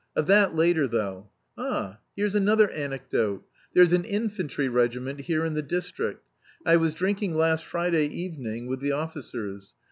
of that later, though. Ah, here's another anecdote. There's an infantry regiment here in the district. I was drinking last Friday evening with the officers.